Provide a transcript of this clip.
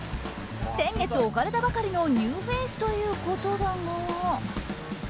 先月、置かれたばかりのニューフェイスということだが。